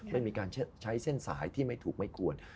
ไม่มีการใช้เส้นสายที่ไม่ถูกไม่ควร